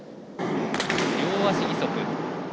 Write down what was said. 両足義足。